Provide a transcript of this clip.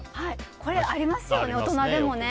これありますよね、大人でも。